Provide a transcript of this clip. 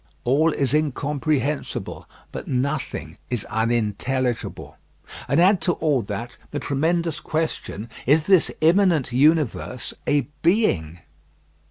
All is incomprehensible, but nothing is unintelligible. And add to all that, the tremendous question: Is this immanent universe a Being?